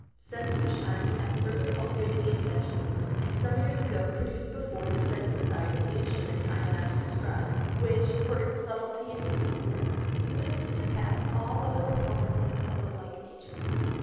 Since which time he hath further cultivated the Invention, and some Years ago produced before the said Society, the Instrument I am now to describe, which for its subtilty and usefulness, seemeth to surpass all other performances of the like Nature.